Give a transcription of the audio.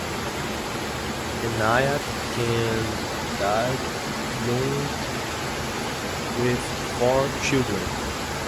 Enayat Khan died young, with four children.